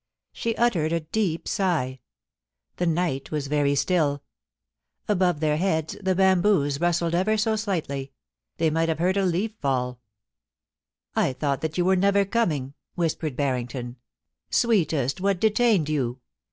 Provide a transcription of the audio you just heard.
She uttered a deep sigh. The night was very stilL Above their heads, the bamboos rustled ever so slightly : they might have heard a leaf fall * I thought that you were never coming,' whispered Bar rington. * Sweetest, what detained you?